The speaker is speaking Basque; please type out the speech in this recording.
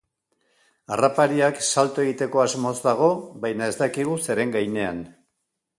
Harrapariak salto egiteko asmoz dago baina ez dakigu zeren gainean.